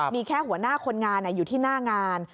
มีแค่หัวหน้าคนงานอยู่ที่หน้างาน